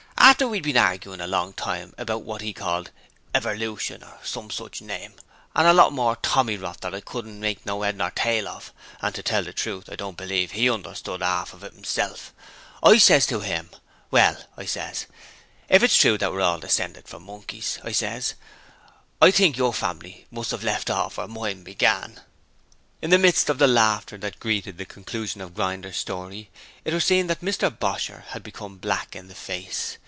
'After we'd been arguin' a long time about wot 'e called everlution or some sich name, and a lot more tommy rot that I couldn't make no 'ead or tail of and to tell you the truth I don't believe 'e understood 'arf of it 'imself I ses to 'im, "Well," I ses, "if it's true that we're hall descended from monkeys," I ses, "I think your famly must 'ave left orf where mine begun."' In the midst of the laughter that greeted the conclusion of Grinder's story it was seen that Mr Bosher had become black in the face.